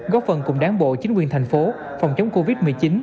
góp phần cùng đáng bộ chính quyền thành phố phòng chống covid một mươi chín